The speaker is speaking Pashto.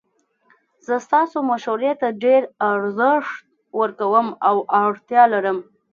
زه ستاسو مشورې ته ډیر ارزښت ورکوم او اړتیا لرم